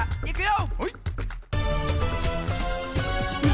いくよ！